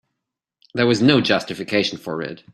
There was no justification for it.